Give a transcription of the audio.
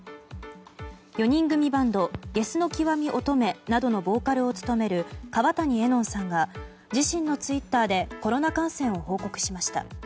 ４人組バンドゲスの極み乙女などのボーカルを務める川谷絵音さんが自身のツイッターでコロナ感染を報告しました。